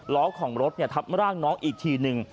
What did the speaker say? ล้อของรถทับร่างน้องอีกทีหนึ่ง